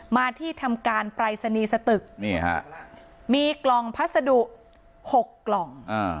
มาที่ทำการปรายศนีย์สตึกนี่ฮะมีกล่องพัสดุ๖กล่อง